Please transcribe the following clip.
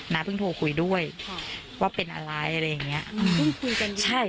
น้าเพิ่งโทรคุยด้วยว่าเป็นอะไรอะไรอย่างนี้